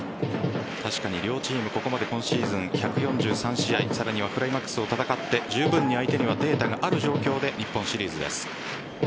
確かに両チームここまで今シーズン１４３試合さらにクライマックスを戦ってじゅうぶんに相手にはデータがある状況で日本シリーズです。